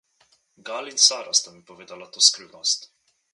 Gal in Sara sta mi povedala to skrivnost.